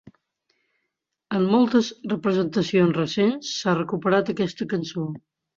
En moltes representacions recents, s'ha recuperat aquesta cançó.